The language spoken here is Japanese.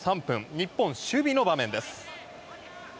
日本、守備の場面です。